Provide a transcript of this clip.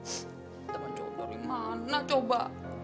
kita sama cowok dari mana coba